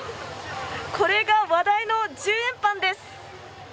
これが話題の１０円パンです。